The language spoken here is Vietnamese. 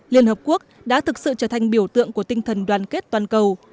liên hợp quốc đã thực sự trở thành biểu tượng của tinh thần đoàn kết toàn cầu